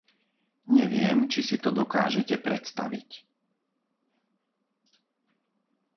Neviem, či si to dokážete predstaviť.